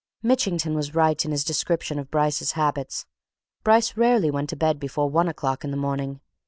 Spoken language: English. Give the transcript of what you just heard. Mitchington was right in his description of Bryce's habits Bryce rarely went to bed before one o'clock in the morning.